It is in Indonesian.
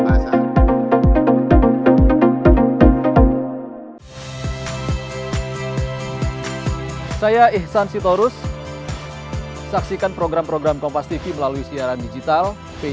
enggak ada apa apa